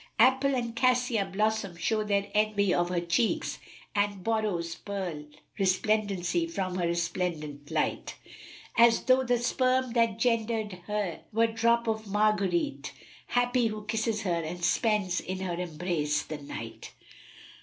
Apple and Cassia blossom show their envy of her cheeks; * And borrows Pearl resplendency from her resplendent light; As though the sperm that gendered her were drop of marguerite[FN#317] * Happy who kisses her and spends in her embrace the night."